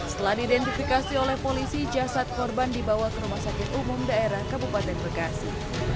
setelah diidentifikasi oleh polisi jasad korban dibawa ke rumah sakit umum daerah kabupaten bekasi